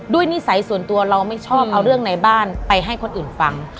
นิสัยส่วนตัวเราไม่ชอบเอาเรื่องในบ้านไปให้คนอื่นฟัง